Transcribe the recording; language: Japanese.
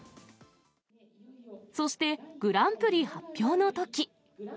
そして、グランプリ発表のとき。